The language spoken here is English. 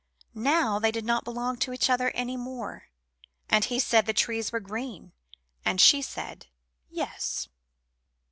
Now they did not belong to each other any more, and he said the trees were green, and she said "Yes."